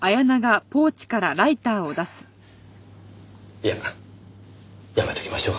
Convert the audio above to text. いややめときましょう。